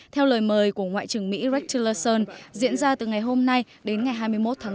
theo lời mời của ngoại trưởng mỹ rex tillerson diễn ra từ ngày hôm nay đến ngày hai mươi một tháng bốn